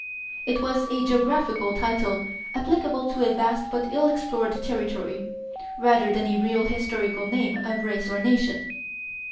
It was a geographical title applicable to a vast but ill explored territory, rather than a real historical name of race or nation.